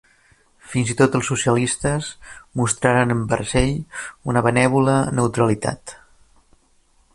Fins i tot els socialistes mostraren envers ell una benèvola neutralitat.